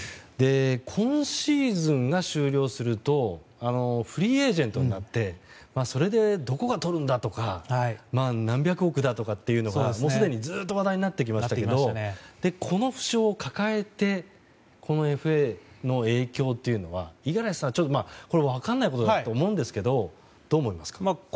今シーズンが終了するとフリーエージェントになってそれでどこがとるんだとか何百億だというのはもうすでにずっと話題になってきましたけどこの負傷を抱えてＦＡの影響というのは五十嵐さん分からないことだと思うんですがどう思いますか？